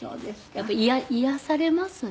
やっぱり癒やされますね。